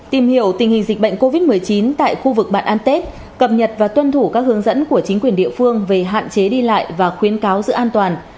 tìm hiểu tình hình dịch bệnh covid một mươi chín tại khu vực bạn an tết cập nhật và tuân thủ các hướng dẫn của chính quyền địa phương về hạn chế đi lại và khuyến cáo giữ an toàn